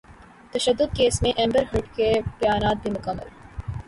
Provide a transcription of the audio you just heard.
تشدد کیس میں Amber Heard کے بیانات بھی مکمل